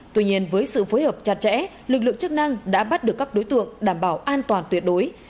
tuy nhiên với sự phối hợp chặt chẽ lực lượng chức năng đã bắt được các đối tượng đảm bảo an toàn tuyệt đối